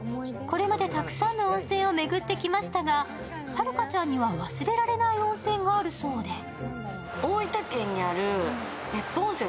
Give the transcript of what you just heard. これまでたくさんの温泉を巡ってきましたが、遥ちゃんには忘れられない温泉があるそうで。